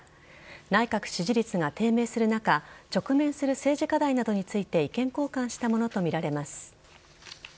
内閣支持率が低迷する中直面する政治課題などについて意見交換したものとみられます。